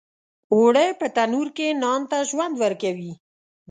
اوړه په تنور کې نان ته ژوند ورکوي